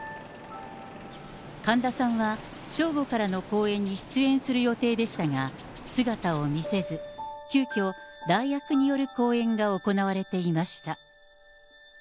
神田さんは正午からの公演に出演する予定でしたが、姿を見せず、急きょ、代役による公演が行われていました。